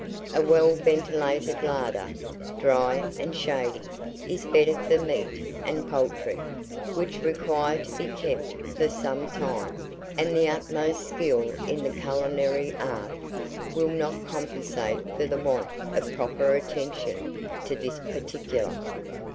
A well ventilated larder, dry and shady, is better for meat and poultry, which require to be kept for some time; and the utmost skill in the culinary art will not compensate for the want of proper attention to this particular.